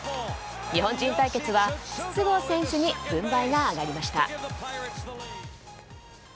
日本人対決は筒香選手に軍配が上がりました。